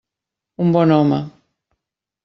Un bon home.